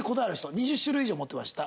２０種類以上持ってました。